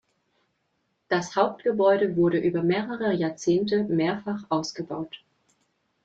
Das Hauptgebäude wurde über mehrere Jahrzehnte mehrfach ausgebaut.